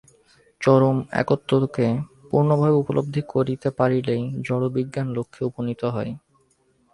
চরম একত্বকে পূর্ণভাবে উপলব্ধি করিতে পারিলেই জড়বিজ্ঞান লক্ষ্যে উপনীত হয়।